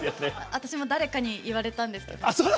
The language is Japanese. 私も誰かに言われたんですけど。